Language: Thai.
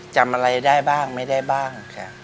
จำอะไรได้บ้างไม่ได้บ้าง